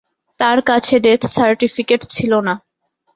তাঁর কাছে death certificate ছিল না।